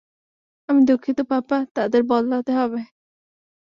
আমি দুঃখিত পাপ্পা, তাদের বদলাতে হবে।